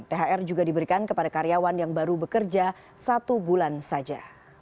thr juga diberikan kepada karyawan yang baru bekerja satu bulan saja